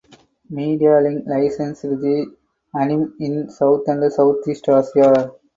Medialink licensed the anime in South and Southeast Asia.